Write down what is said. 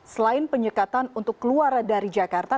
selain penyekatan untuk keluar dari jakarta